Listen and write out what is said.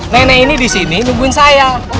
nenek ini disini nungguin saya